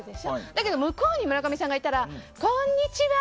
だけど、向こうに村上さんがいたらこんにちは！